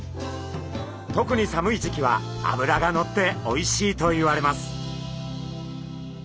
特に寒い時期はあぶらがのっておいしいといわれます。